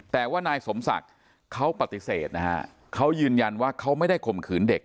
แต่ว่านายสมศักดิ์เขาปฏิเสธนะฮะเขายืนยันว่าเขาไม่ได้ข่มขืนเด็ก